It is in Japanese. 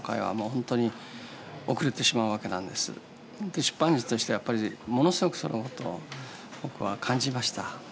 出版人としてはやっぱりものすごくそのことを僕は感じました。